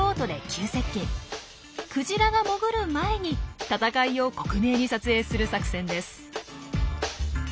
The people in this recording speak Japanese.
クジラが潜る前に闘いを克明に撮影する作戦です。